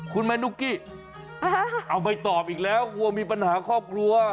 คุณแม่นุ๊กกี้เอาไม่ตอบอีกแล้วกลัวมีปัญหาครอบครัว